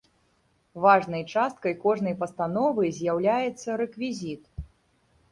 Важнай часткай кожнай пастановы з'яўляецца рэквізіт.